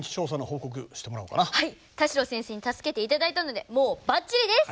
田代先生に助けていただいたのでもうバッチリです。